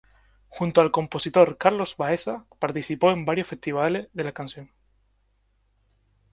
Junto al compositor Carlos Baeza, participó en varios festivales de la canción.